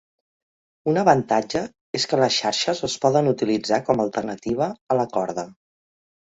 Un avantatge és que les xarxes es poden utilitzar com a alternativa a la corda.